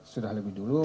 sudah lebih dulu